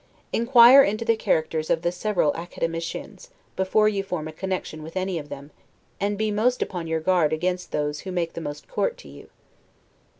Inquire into the characters of the several Academicians, before you form a connection with any of them; and be most upon your guard against those who make the most court to you.